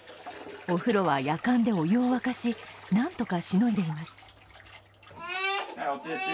お風呂はやかんでお湯を沸かし、何とかしのいでいます。